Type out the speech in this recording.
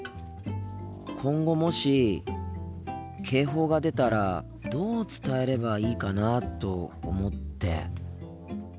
今後もし警報が出たらどう伝えればいいかなと思って。